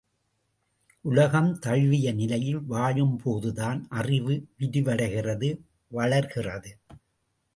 உலகம் தழுவிய நிலையில் வாழும்போதுதான் அறிவு விரிவடைகிறது வளர்கிறது.